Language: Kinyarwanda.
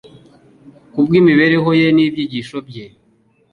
Kubw'imibereho ye n'ibyigisho bye,